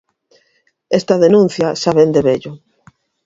Esta denuncia xa vén de vello.